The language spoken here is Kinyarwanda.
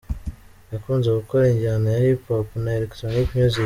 Yakunze gukora injyana ya Hip Hop na Electronic music.